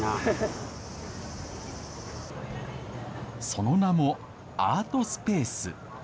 その名も、アートスペース。